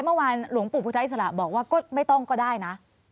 เมื่อวานหลวงปู่พุทธอิสระบอกว่าก็ไม่ต้องก็ได้นะ